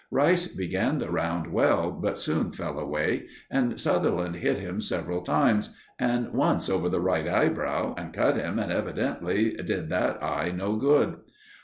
Rice began the round well, but soon fell away, and Sutherland hit him several times, and once over the right eyebrow and cut him, and evidently did that eye no good.